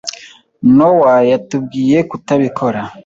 Nowa yatubwiye kutabikora.